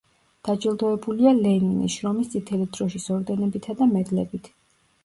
დაჯილდოებულია ლენინის, შრომის წითელი დროშის ორდენებითა და მედლებით.